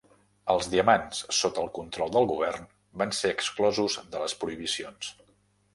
Els diamants sota el control del govern van ser exclosos de les prohibicions.